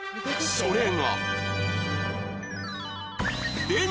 それが